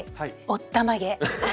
おったまげ！